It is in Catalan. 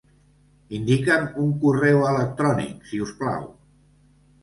Indica'm un correu electrònic, si us plau.